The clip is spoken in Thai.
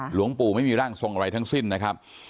หลวงปู่ไม่มีร่างทรงอะไรทั้งสิ้นนะครับ